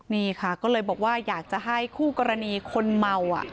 นี่ค่ะก็เลยบอกว่าอยากจะให้คู่กรณีคนเมา